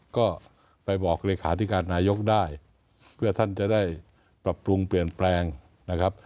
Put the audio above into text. ก็ไปบอกเลขาธิการนายกได้เพื่อท่านจะได้ปรับปรุงเปลี่ยนแปลงนะครับ